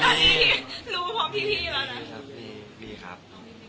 มีครับมีครับ